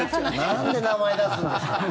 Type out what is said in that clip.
なんで名前出すんですか。